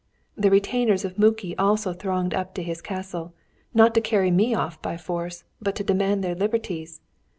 The retainers of Muki also thronged up to his castle, not to carry me off by force, but to demand their liberties.